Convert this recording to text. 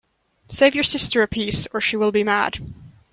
Save you sister a piece, or she will be mad.